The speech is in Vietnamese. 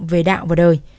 về đạo và đời